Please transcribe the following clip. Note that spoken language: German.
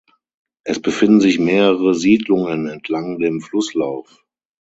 Es befinden sich mehrere Siedlungen entlang dem Flusslauf.